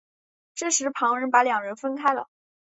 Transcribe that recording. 这时旁人把两人分开了。